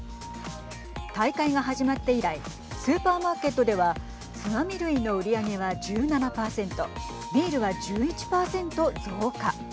大会が始まって以来スーパーマーケットではつまみ類の売り上げは１７％ビールは１１％増加。